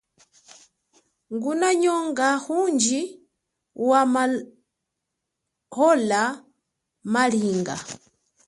Nguna nyonga undji wa maola malinga.